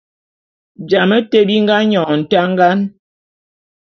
Jame te bi nga nyône ntangan.